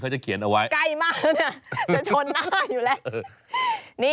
ไซส์ลำไย